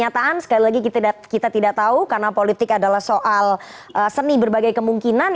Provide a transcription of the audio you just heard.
jadi kenyataan sekali lagi kita tidak tahu karena politik adalah soal seni berbagai kemungkinan